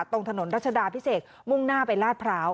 ตรงถนนรัชดาพิเศษมุ่งหน้าไปลาดพร้าว